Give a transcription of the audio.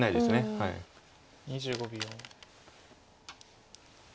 ２５秒。